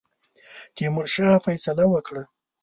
تیمورشاه فیصله کړې ده.